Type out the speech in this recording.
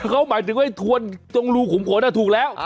คือเขาหมายถึงว่าทวนตรงรูขุมขนถูกแล้ว